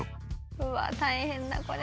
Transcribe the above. うわ大変だこれ。